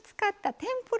天ぷら！